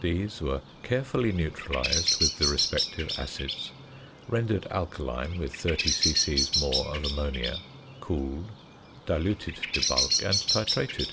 These were carefully neutralised with the respective acids, rendered alkaline with 30 c.c. more of ammonia, cooled, diluted to bulk, and titrated.